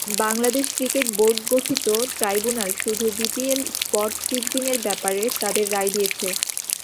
Bangladesh cricket board গঠিত tribunal শুধু BPL spot ফিক্সিংয়ের ব্যাপারে তাদের রায় দিয়েছে।